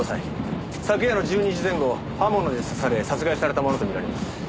昨夜の１２時前後刃物で刺され殺害されたものと見られます。